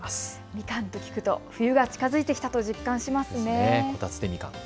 みかんと聞くと冬が近づいてきたと実感しますね。